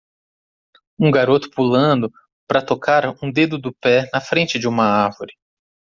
Um garoto pulando para tocar um dedo do pé na frente de uma árvore.